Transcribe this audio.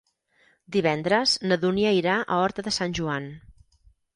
Divendres na Dúnia irà a Horta de Sant Joan.